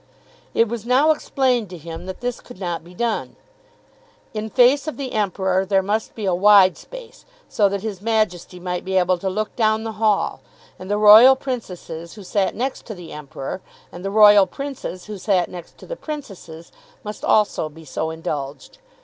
It was now explained to him that this could not be done. In face of the Emperor there must be a wide space, so that his Majesty might be able to look down the hall; and the royal princesses who sat next to the Emperor, and the royal princes who sat next to the princesses, must also be so indulged.